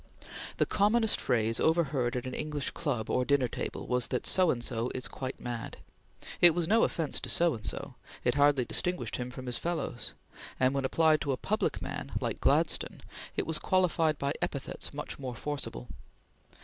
The commonest phrase overheard at an English club or dinner table was that So and So "is quite mad." It was no offence to So and So; it hardly distinguished him from his fellows; and when applied to a public man, like Gladstone, it was qualified by epithets much more forcible.